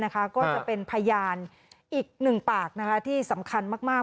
ก็จะเป็นพยานอีกหนึ่งปากที่สำคัญมาก